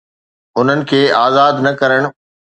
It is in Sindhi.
انهن کي آزاد نه ڪرڻ.